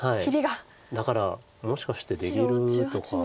だからもしかして出切るとか。